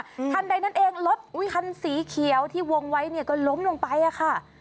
คันใดนั้นเองลดคันสีเขียวที่วงไว้ก็ล้มลงไปค่ะ